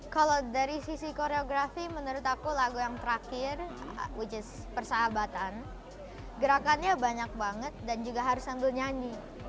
kalau dari sisi koreografi menurut aku lagu yang terakhir which is persahabatan gerakannya banyak banget dan juga harus sambil nyanyi